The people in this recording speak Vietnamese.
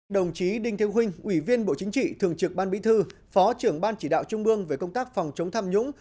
đồng chí đinh thị huynh ủy viên bộ chính trị thường trực ban bí thư phó trưởng ban chỉ đạo trung ương về công tác phòng chống tham nhũng